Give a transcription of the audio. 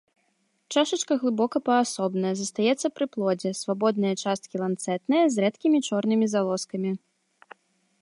Чашачка глыбока-паасобная, застаецца пры плодзе, свабодныя часткі ланцэтныя, з рэдкімі чорнымі залозкамі.